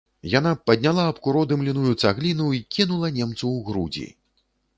Яна падняла абкуродымленую цагліну і кінула немцу ў грудзі.